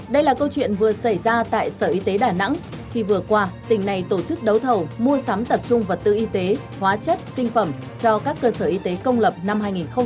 đây là câu chuyện vừa xảy ra tại sở y tế đà nẵng khi vừa qua tỉnh này tổ chức đấu thầu mua sắm tập trung vật tư y tế hóa chất sinh phẩm cho các cơ sở y tế công lập năm hai nghìn một mươi chín